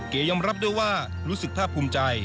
ยอมรับด้วยว่ารู้สึกภาพภูมิใจ